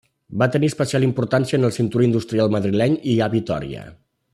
Van tenir especial importància en el cinturó industrial madrileny i a Vitòria.